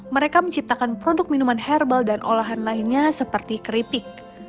mereka menciptakan produk minuman herbal dan olahan lainnya seperti keripik